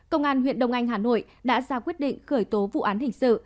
công an huyện đông anh hà nội đã ra quyết định khởi tố vụ án hình sự